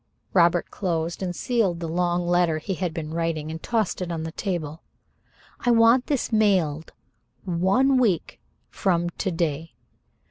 Robert closed and sealed the long letter he had been writing and tossed it on the table. "I want this mailed one week from to day.